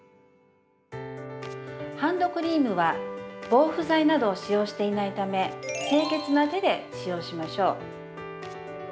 ハンドクリームは防腐剤などを使用していないため清潔な手で使用しましょう。